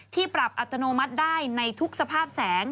ปรับอัตโนมัติได้ในทุกสภาพแสง